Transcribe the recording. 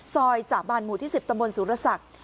ซอยจาบาลหมู่ที่๑๐ตมศุรษักรณ์